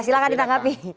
ya silahkan ditangkapi